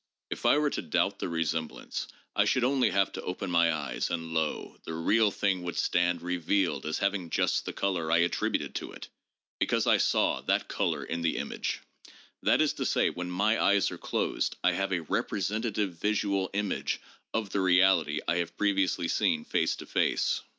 If I were to doubt the resemblance, I should only have to open my eyes, and lo ! the real thing would stand revealed as having just the color I attributed to it, because I saw that color in the image. That is to say, when my eyes are closed I have a representative visual image of the reality I have previously seen face to face.